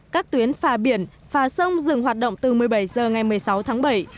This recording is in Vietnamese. các tuyến phà biển phà sông dừng hoạt động từ một mươi bảy h ngày một mươi sáu tháng bảy